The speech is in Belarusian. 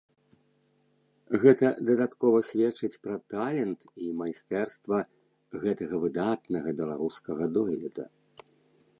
Гэта дадаткова сведчыць пра талент і майстэрства гэтага выдатнага беларускага дойліда.